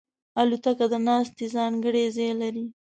الوتکه د ناستې ځانګړی ځای لري.